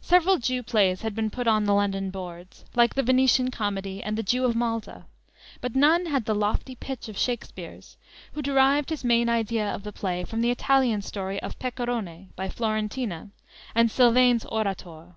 Several Jew plays had been put on the London boards, like the "Venetian Comedy" and the "Jew of Malta," but none had the lofty pitch of Shakspere's, who derived his main idea of the play from the Italian story of "Pecorone," by Florentina, and Silvayn's "Orator."